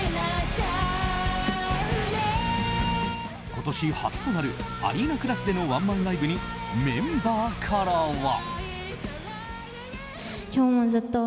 今年初となるアリーナクラスでのワンマンライブにメンバーからは。